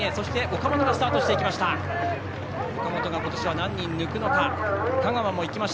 岡本が今年、何人抜くか。